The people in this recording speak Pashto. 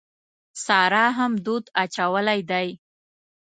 سارا هم دود اچولی دی.